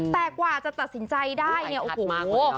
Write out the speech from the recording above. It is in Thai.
แต่กว่าจะตัดสินใจได้เนี่ยโอ้โห